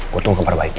kutung ke para baiknya